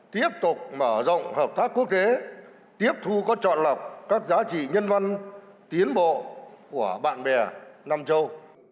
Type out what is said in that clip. tiếp tục mở rộng hợp tác quốc tế tiếp thu có chọn lọc các giá trị nhân văn tiến bộ của bạn bè nam châu